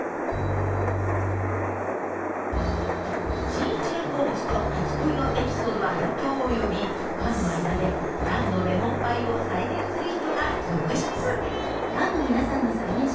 新一の好物と初恋のエピソードは反響を呼びファンの間で「蘭のレモンパイ」を再現する人が続出。